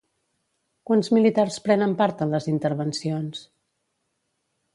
Quants militars prenen part en les intervencions?